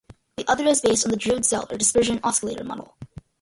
The other is based on the Drude shell or dispersion oscillator model.